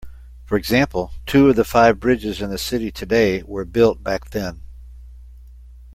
For example, two of the five bridges in the city today were built back then.